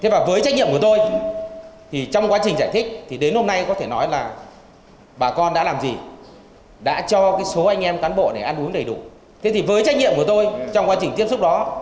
với trách nhiệm của tôi trong quá trình tiếp xúc đó